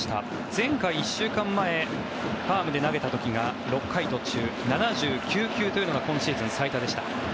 前回、１週間前ファームで投げた時が６回途中７９球というのが今シーズン最多でした。